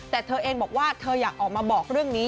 แต่เธอเองบอกว่าเธออยากออกมาบอกเรื่องนี้